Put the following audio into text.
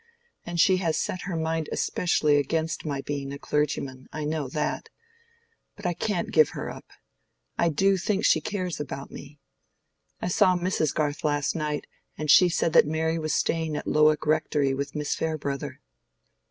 And she has set her mind especially against my being a clergyman; I know that. But I can't give her up. I do think she cares about me. I saw Mrs. Garth last night, and she said that Mary was staying at Lowick Rectory with Miss Farebrother."